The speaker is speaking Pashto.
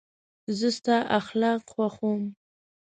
زه ستا اخلاق خوښوم.